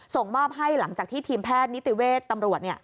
ส่งมอบให้หลังจากที่ทีมแพทย์นิติเวชตำรวจ